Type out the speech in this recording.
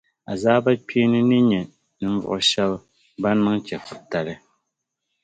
Azaabakpeeni ni nya ninvuɣu shɛba ban niŋ chɛfuritali.